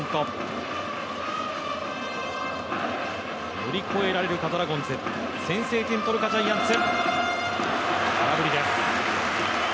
乗り越えられずかドラゴンズ、先制点、取るかジャイアンツ。